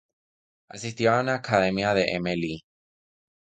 Asistió a una academia de M. Lee.